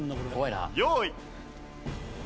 用意。